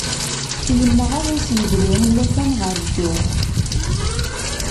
Yemmeɣ ad as-yedlu i llufan ɣer dduḥ.